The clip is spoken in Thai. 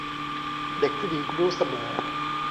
เด็กผู้หญิงรู้เสมอ